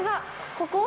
ここ？